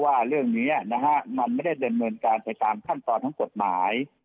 ว่าเรื่องนี้มันไม่ได้เดินเมื่อการไปตามขั้นตอนทั้งกฎหมาย